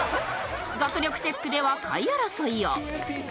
学力チェックでは下位争いを。